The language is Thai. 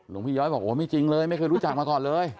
พี่ย้อยบอกโอ้ไม่จริงเลยไม่เคยรู้จักมาก่อนเลย